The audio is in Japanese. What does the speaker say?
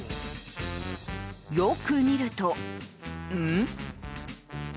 よく見ると。